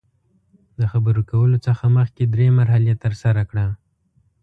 د خبرو کولو څخه مخکې درې مرحلې ترسره کړه.